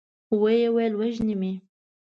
ويې ويل: وژني مې؟